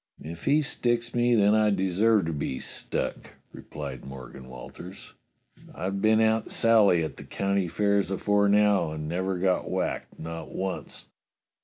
"If he sticks me, then I deserves to be stuck," re plied Morgan Walters. "I've been Aunt Sally at the county fairs afore now, and never got whacked, not once.